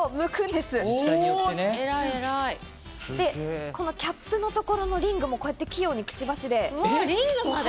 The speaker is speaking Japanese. で、キャップのところのリングもこうやって器用にくちばしで。